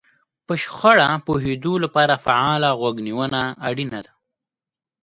په شخړه پوهېدو لپاره فعاله غوږ نيونه اړينه ده.